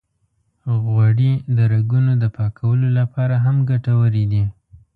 غوړې د رګونو د پاکولو لپاره هم ګټورې دي.